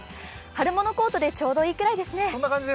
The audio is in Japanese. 春物コートでちょうどいいくらいですね。